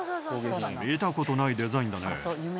見たことないデザインだね。